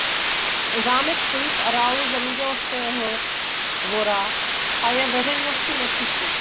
Zámek stojí v areálu zemědělského dvora a je veřejnosti nepřístupný.